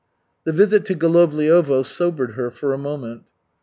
_ The visit to Golovliovo sobered her for a moment.